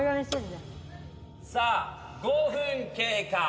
さあ５分経過。